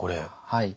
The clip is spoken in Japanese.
はい。